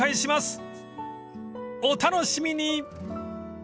［お楽しみに！］